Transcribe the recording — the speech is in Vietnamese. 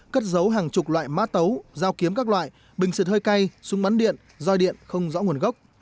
cất giấu hàng chục loại má tấu dao kiếm các loại bình xịt hơi cay súng bắn điện roi điện không rõ nguồn gốc